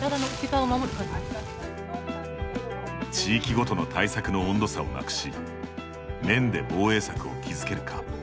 地域ごとの対策の温度差をなくし面で防衛策を築けるか。